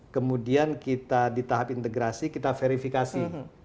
kemudian kita di tahap integrasi kita verifikasi